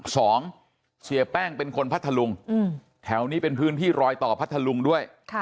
เสียแป้งเป็นคนพัทธลุงแถวนี้เป็นพื้นที่รอยต่อพัทธลุงด้วย